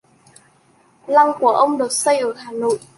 lăng của ông được xây ở Hà Nội